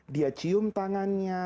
dia cium tangannya